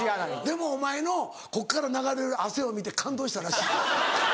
でもお前のこっから流れる汗を見て感動したらしい。